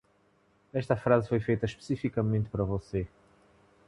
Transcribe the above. Esta frase foi feita especificamente para você.